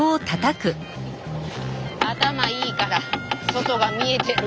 頭いいから外が見えてる。